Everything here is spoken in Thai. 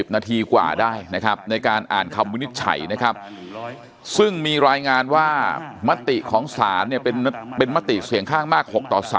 นาทีกว่าได้นะครับในการอ่านคำวินิจฉัยนะครับซึ่งมีรายงานว่ามติของศาลเนี่ยเป็นมติเสี่ยงข้างมาก๖ต่อ๓